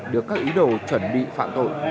được các ý đồ chuẩn bị phạm tội